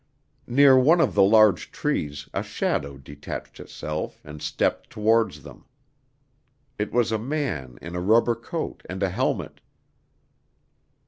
Near one of the large trees a shadow detached itself and stepped towards them. It was a man in a rubber coat and a helmet.